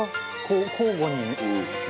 こう交互に。